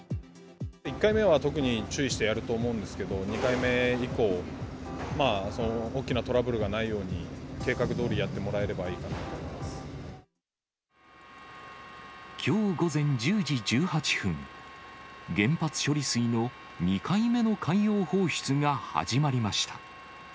１回目は特に注意してやると思うんですけど、２回目以降、大きなトラブルがないように、計画どおりやってもらえればいいきょう午前１０時１８分、原発処理水の２回目の海洋放出が始まりました。